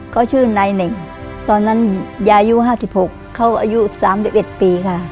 เขาชื่อนายเหน่งตอนนั้นยายอายุ๕๖เขาอายุ๓๑ปีค่ะ